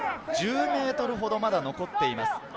１０ｍほどまだ残っています。